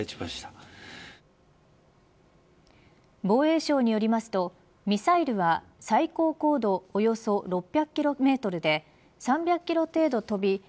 防衛省によりますとミサイルは最高高度およそ６００キロメートルで３００キロ程度飛び